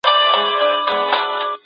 تخصص ولرئ.